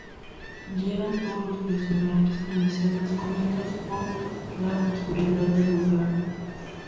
Llegan todos los personajes, con escenas cómicas por la oscuridad del lugar.